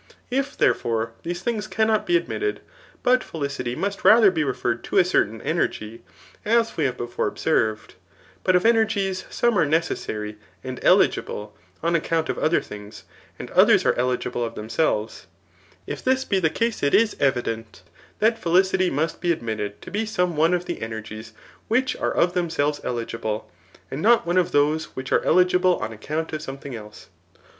If, therefore, these things cannot be admitted, but felicity must rather be referred to a certain .energy, as we have before observed, but of energies, some are necessary and eligible on account of other things, and others are eligible of themselves; — if this be the case, it is evident that felici ty must be admitted to be some one of the energies which are of themselves eligible, and not one of those which are eligible on account of something else.